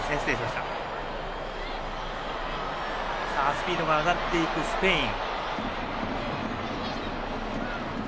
スピードが上がっていくスペイン。